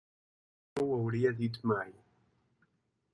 No ho hauria dit mai.